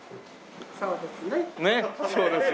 そうですね。